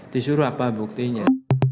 disuruh apa buktinya